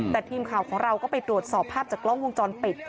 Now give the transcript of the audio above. แต่ทีมข่าวของเราก็ไปตรวจสอบภาพจากกล้องวงจรปิด